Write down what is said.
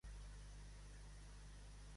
El temps que fa el dijous domina vuit dies.